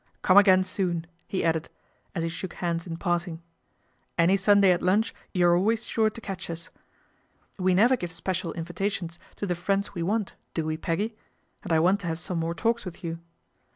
Come again soon," 1. added as he shook hands in parting. "AnySu: day at lunch you are always sure to catch us. V LADY PEGGY MAKES A FRIEND 259 never give special invitations to the friends we want, do we, Peggy ? and I want to have some more talks with you."